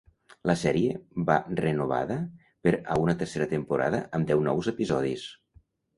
La sèrie va renovada per a una tercera temporada, amb deu nous episodis.